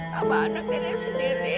sama anak nenek sendiri